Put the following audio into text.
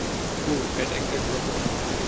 হু, এটা একটা গ্রহ।